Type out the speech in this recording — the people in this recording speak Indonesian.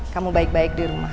kamu baik baik dirumah